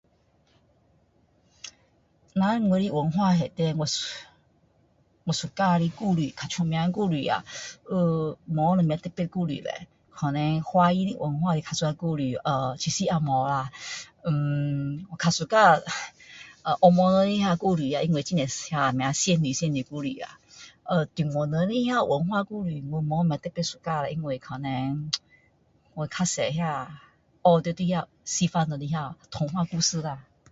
我们人的文化里面我喜欢的故事较出名的故事呀呃没什么特别的故事叻可能华人的文化较喜欢的故事其实也没啦呃…较喜欢红毛人的那故事啊因为那什么仙女仙女故事啊呃中国人的那文化故事我没特别喜欢因为可能啧我较多那学到的那西方人那的童话故事啦